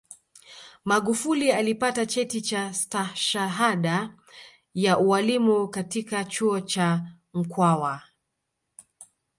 magufuli alipata cheti cha stashahada ya ualimu katika chuo cha mkwawa